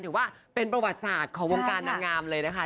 ถือว่าเป็นประวัติศาสตร์ของวงการนางงามเลยนะคะ